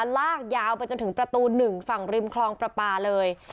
ลากยาวไปจนถึงประตู๑ฝั่งริมคลองประปาเลย